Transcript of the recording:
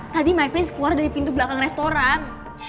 tadi my prince keluar dari pintu belakang restoran